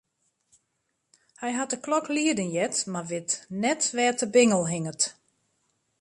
Hy hat de klok lieden heard, mar wit net wêr't de bingel hinget.